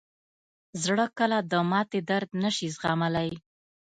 زړه کله د ماتې درد نه شي زغملی.